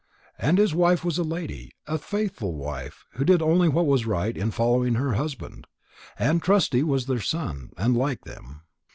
And his wife was a lady, a faithful wife who only did what was right in following her husband. And Trusty was their son, and like them.